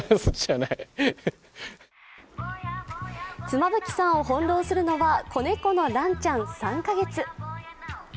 妻夫木さんを翻弄するのは子猫のランちゃん３か月。